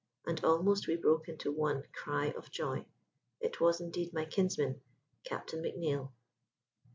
And almost we broke into one cry of joy. It was indeed my kinsman, Captain McNeill!